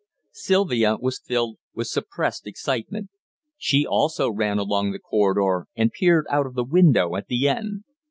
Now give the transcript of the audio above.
Sylvia was filled with suppressed excitement. She also ran along the corridor and peered out of the window at the end.